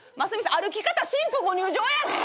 歩き方新婦ご入場やね。